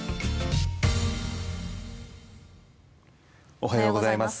おはようございます。